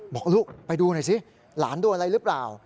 บอกลูกไปดูหน่อยสิหลานโดนอะไรหรือเปล่า